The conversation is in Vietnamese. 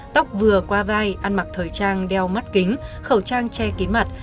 tóc vừa qua vai ăn mặc thời trang đeo mắt kính khẩu trang che kín mặt